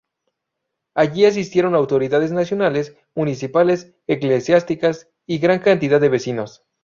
Allí asistieron autoridades nacionales, municipales, eclesiásticas, y gran cantidad de vecinos.